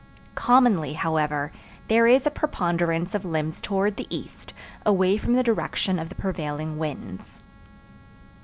Commonly, however, there is a preponderance of limbs toward the east, away from the direction of the prevailing winds.